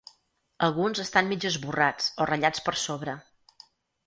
Alguns estan mig esborrats o ratllats per sobre.